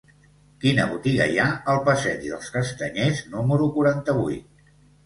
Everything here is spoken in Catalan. Quina botiga hi ha al passeig dels Castanyers número quaranta-vuit?